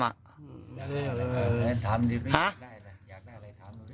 ไม่ได้อะไรทำแม่ทำดีไม่ได้อะไรทำ